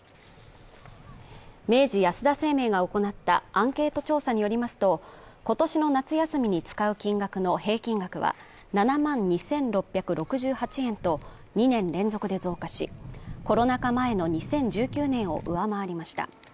明治安田生命が行ったアンケート調査によりますと、今年の夏休みに使う金額の平均額は７万２６６８円と２年連続で増加し、コロナ禍前の２０１９年を上回りました。